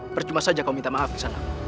percuma saja kau minta maaf nisana